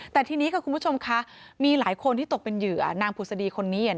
แต่ทีนี้ค่ะคุณผู้ชมคะมีหลายคนที่ตกเป็นเหยื่อนางผุศดีคนนี้